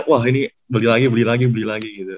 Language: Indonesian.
wah ini beli lagi beli lagi beli lagi gitu